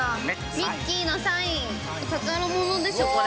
ミッキーのサイン、宝物ですよ、これ。